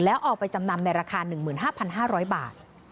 แล้วเอาไปจำนำในราคา๑๕๕๐๐บาท